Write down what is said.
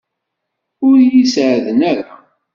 Ur yi-sɛeddan ara.